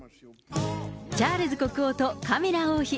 チャールズ国王とカミラ王妃。